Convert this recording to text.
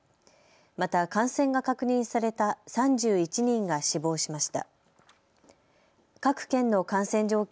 また感染が確認された３１人が死亡しました。